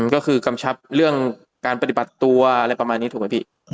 ก็คือกำชับเรื่องการปฏิบัติตัวอะไรประมาณนี้ถูกไหมพี่